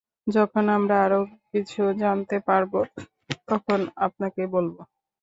যখন আমরা আর কিছু জানতে পারবো, তখন আপনাক বলব।